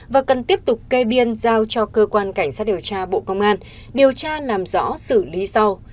và cần tiếp tục kê biên giao cho cơ quan cảnh sát điều tra bộ công an điều tra làm rõ xử lý sau